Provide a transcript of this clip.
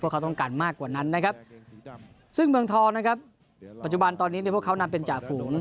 เขาต้องการมากกว่านั้นนะครับซึ่งเมืองทองนะครับปัจจุบันตอนนี้เนี่ยพวกเขานำเป็นจ่าฝูง